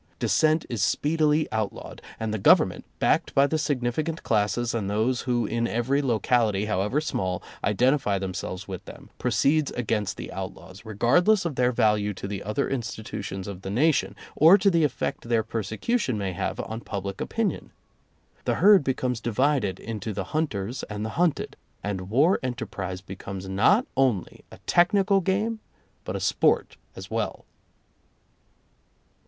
Dissent is speedily outlawed, and the Government, backed by the significant classes and those who in every locality, however small, identify themselves with them, proceeds against the outlaws, regardless of their value to the other institutions of the nation, or to the effect their persecution may have on public opinion. The herd becomes divided into the hunters and the hunted, and war enterprise becomes not only a technical game but a sport as well.